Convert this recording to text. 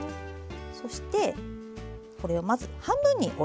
そしてこれをまず半分に折ります。